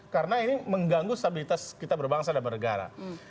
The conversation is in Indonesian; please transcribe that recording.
karena ini mengganggu stabilitas kita berbangsa dan bernegara